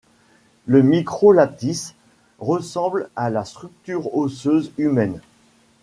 Le micro-lattice ressemble à la structure osseuse humaine.